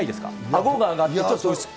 あごが上がって。